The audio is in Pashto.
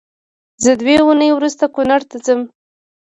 زه دوې اونۍ روسته کونړ ته ځم